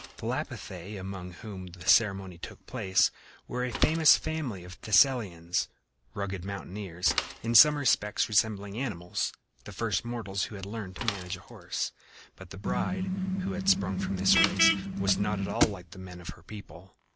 The Lapithæ, among whom the ceremony took place, were a famous family of Thessalians, rugged mountaineers, in some respects resembling animals the first mortals who had learned to manage a horse. But the bride, who had sprung from this race, was not at all like the men of her people.